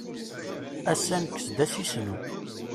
Ass-a nekkes-d asisnu.